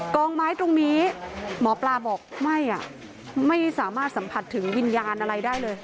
กองไม้ตรงนี้หมอปลาบอกไม่ไม่สามารถสัมผัสถึงวิญญาณอะไรได้เลย